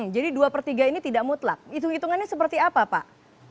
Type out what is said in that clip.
jadi dua per tiga ini tidak mutlak hitung hitungannya seperti apa pak